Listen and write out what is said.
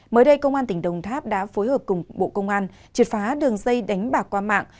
mới đây công an tỉnh đồng tháp đã phối hợp cùng bộ công an triệt phá đường dây đánh bạc qua mạng